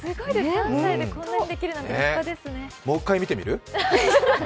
３歳でこんなにできるなんて立派ですね。